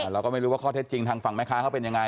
เราก็ไม่รู้ว่าข้อเท็จจริงทางฝั่งแม่ค้าเขาเป็นยังไง